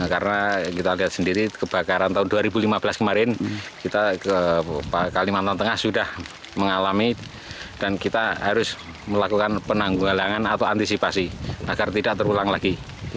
karena kita lihat sendiri kebakaran tahun dua ribu lima belas kemarin kita ke kalimantan tengah sudah mengalami dan kita harus melakukan penanggalangan atau antisipasi agar tidak terulang lagi